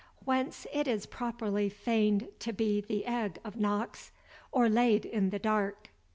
Whence it is properly feigned to be the egg of Nox, or laid in the dark.